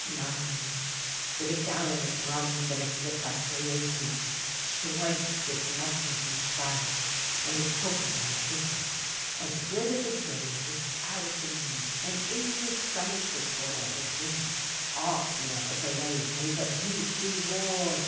IX. Wid a gallon av rum thin a flip I created, Shwate, wid musthard and shpice; and the poker I hated As rid as a guinea jist out av the mint And into her shtomick, begorra, it wint! Och, niver belave me, but didn't she roar!